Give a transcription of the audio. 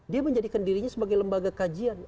dia menjadikan dirinya sebagai lembaga kajian